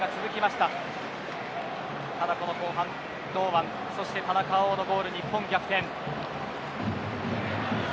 ただ、この後半堂安、田中碧のゴールで日本逆転。